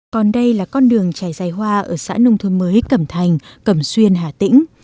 còn đây là con đường trải dài hoa ở xã nông thôn mới cẩm thành cẩm xuyên hà tĩnh